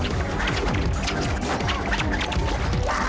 ayo kejar aku